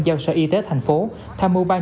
giao sở y tế thành phố tham mưu ban